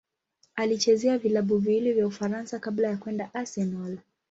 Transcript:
Alichezea vilabu viwili vya Ufaransa kabla ya kwenda Arsenal.